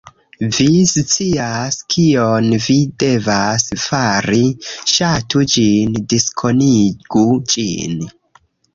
Vi scias kion vi devas fari. Ŝatu ĝin, diskonigu ĝin